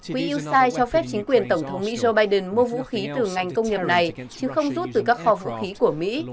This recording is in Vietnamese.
quỹ yêu sai cho phép chính quyền tổng thống joe biden mua vũ khí từ ngành công nghiệp này chứ không rút từ các kho vũ khí của mỹ